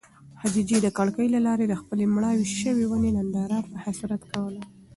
خدیجې د کړکۍ له لارې د خپلې مړاوې شوې ونې ننداره په حسرت کوله.